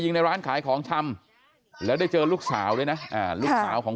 ในร้านขายของชำแล้วได้เจอลูกสาวด้วยนะลูกสาวของ